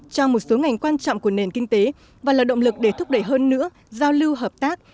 trong một số ngành quan trọng của nền kinh tế và là động lực để thúc đẩy hơn nữa giao lưu hợp tác